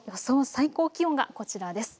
最高気温がこちらです。